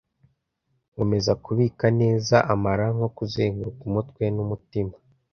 Nkomeza kubika neza amara nko kuzenguruka umutwe n'umutima,